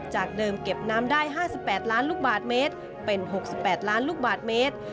จากเดิมเก็บน้ำได้๕๘ล้านลูกบาทเมตรเป็น๖๘ล้านลูกบาทเมตร